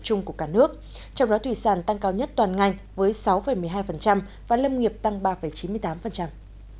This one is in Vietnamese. chung của cả nước trong đó thủy sản tăng cao nhất toàn ngành với sáu một mươi hai và lâm nghiệp tăng ba chín mươi tám